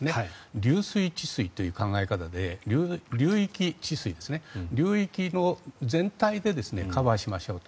流域治水という考え方で流域の全体でカバーしましょうと。